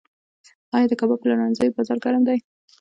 آیا د کباب پلورنځیو بازار ګرم دی؟